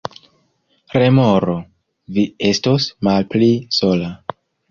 Remoro: "Vi estos malpli sola."